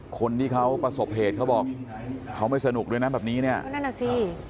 คนที่เขาประสบเหตุเขาบอกเขาไม่สนุกด้วยนะแบบนี้เนี่ยนั่นน่ะสิ